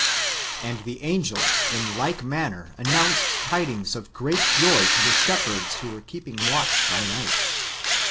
^ And the angels, in like manner, announced tidings of great joy to the shepherds who were keeping w^atch by night.